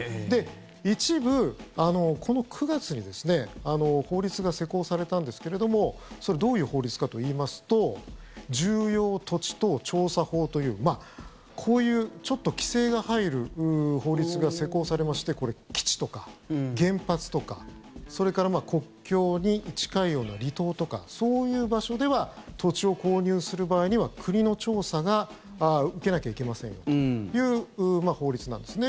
一部、この９月にですね法律が施行されたんですけれどもそれどういう法律かといいますと重要土地等調査法というこういう、ちょっと規制が入る法律が施行されましてこれ、基地とか原発とかそれから国境に近いような離島とかそういう場所では土地を購入する場合には国の調査を受けなきゃいけませんよという法律なんですね。